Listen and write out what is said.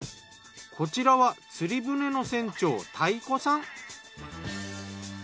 こちらは釣り船の船長平子さん。